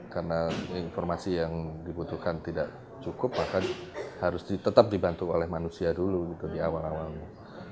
karena informasi yang dibutuhkan tidak cukup maka harus tetap dibantu oleh manusia dulu di awal awalnya